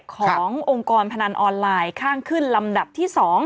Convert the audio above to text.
ขององค์กรพนันออนไลน์ข้างขึ้นลำดับที่๒